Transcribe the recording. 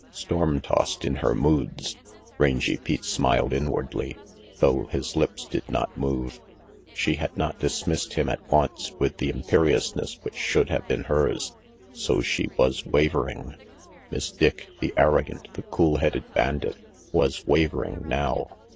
Storm tossed in her moods ! Rangy Pete smiled inwardly, though his lips did not move. She had not dismissed him at once, with the imperiousness which should have been hers. So she was wavering! Miss Dick, the arrogant, the cool headed bandit, was wavering now!